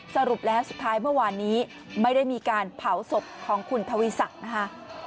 สรุปแล้วสุดท้ายเมื่อวานนี้ไม่ได้มีการเผาศพของคุณทวีศักดิ์นะคะ